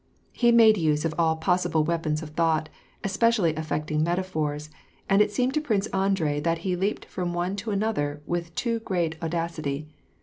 He made use of all possible weapons of thought, especially affecting metaphors ; and it seemed to Prince Andrei that he leaped from one to another with too great audacity.